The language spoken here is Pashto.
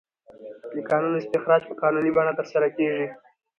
د کانونو استخراج په قانوني بڼه ترسره کیږي.